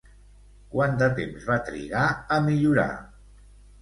Quant de temps va trigar a millorar?